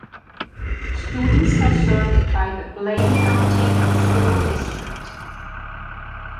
Students are served by the Blaine County School District.